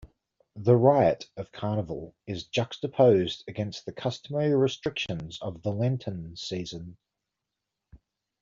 The "riot" of Carnival is juxtaposed against the customary restrictions of the Lenten season.